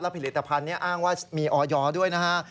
ผลิตภัณฑ์นี้อ้างว่ามีออยด้วยนะฮะ